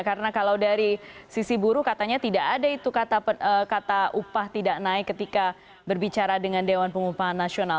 karena kalau dari sisi buruh katanya tidak ada itu kata upah tidak naik ketika berbicara dengan dewan pengumpahan nasional